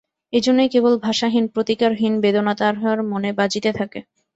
এইজন্যই কেবল ভাষাহীন প্রতিকারহীন বেদনা তাহার মনে বাজিতে থাকে।